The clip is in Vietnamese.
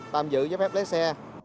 tạm giữ giáp ép lái xe